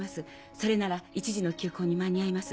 それなら１時の急行に間に合います。